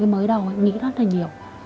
mới đầu nghĩ rất là nhiều